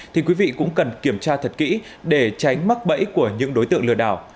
thì quý vị cũng cần kiểm tra thật kỹ để tránh mắc bẫy của những đối tượng lừa đảo